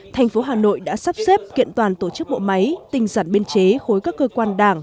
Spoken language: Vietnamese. thành phố hà nội đã sắp xếp kiện toàn tổ chức bộ máy tinh giản biên chế khối các cơ quan đảng